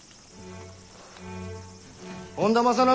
本多正信。